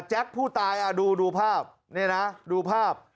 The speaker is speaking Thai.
ผู้ตายดูภาพนี่นะดูภาพ